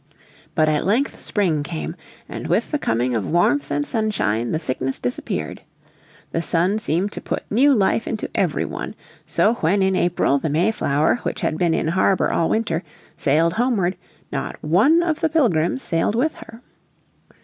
But at length spring came, and with the coming of warmth and sunshine the sickness disappeared. The sun seemed to put new life into every one. So when in April the Mayflower, which had been in harbour all winter, sailed homeward not one of the Pilgrims sailed with her.